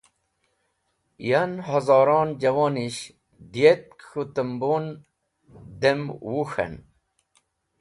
Yem hazoron juwonish, diyetk k̃hũ tambun dem wũk̃hen.